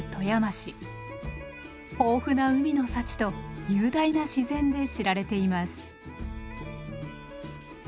豊富な海の幸と雄大な自然で知られています。